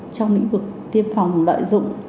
trong lĩnh vực tiêm phòng lợi dụng